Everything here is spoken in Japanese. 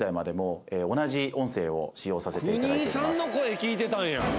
国井さんの声聞いてたんや。